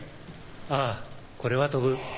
ああこれは飛ぶ。